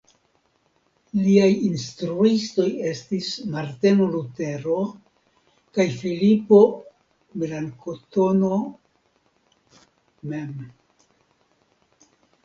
Liaj instruistoj estis Marteno Lutero kaj Filipo Melanktono mem.